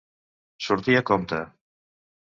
Sortir a compte.